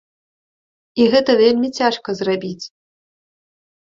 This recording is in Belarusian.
І гэта вельмі цяжка зрабіць.